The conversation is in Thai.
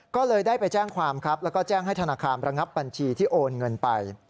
ก็เลยได้ไปแจ้งความครับแล้วก็แจ้งให้ธนาคารระงับบัญชีที่โอนเงินไป